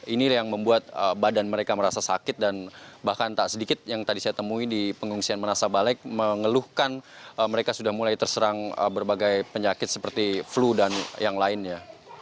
ini yang membuat badan mereka merasa sakit dan bahkan tak sedikit yang tadi saya temui di pengungsian manasa balek mengeluhkan mereka sudah mulai terserang berbagai penyakit seperti flu dan yang lainnya